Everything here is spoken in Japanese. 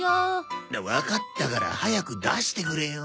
わかったから早く出してくれよ。